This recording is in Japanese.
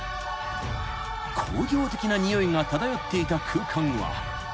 ［工業的なにおいが漂っていた空間は］